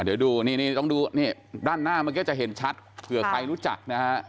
เดี๋ยวดูนี่ต้องดูนี่ด้านหน้าเมื่อกี้จะเห็นชัดเผื่อใครรู้จักนะฮะ